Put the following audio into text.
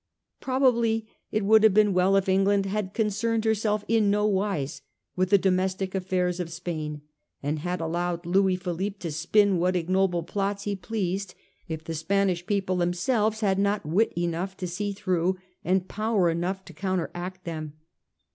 Probably it would have been well if England had concerned herself in no wise with the domestic affairs of Spain, and had allowed Louis Philippe to spin what ignoble plots he pleased, if the Spanish people themselves had not wit enough to see through, and power enough to counteract them.